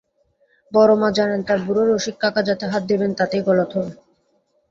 বড়ো মা জানেন তাঁর বুড়ো রসিককাকা যাতে হাত দেবেন তাতেই গলদ হবে।